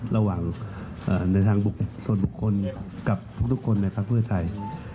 ระหว่างในทางส่วนบุคคลกับทุกคนในพักเพื่อไทย